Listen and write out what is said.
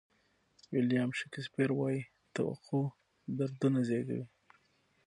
ویلیام شکسپیر وایي توقع دردونه زیږوي.